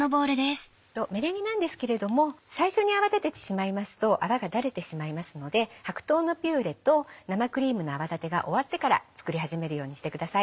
メレンゲなんですけれども最初に泡立ててしまいますと泡がダレてしまいますので白桃のピューレと生クリームの泡立てが終わってから作り始めるようにしてください。